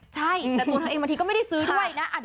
ใช่แต่ตัวเธอเองบางทีก็ไม่ได้ซื้อด้วยนะ